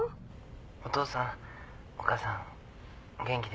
☎お父さんお母さん元気ですか？